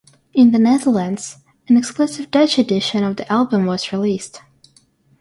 In the Netherlands, an exclusive Dutch edition of the album was released.